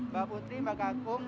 mbak putri mbak kakung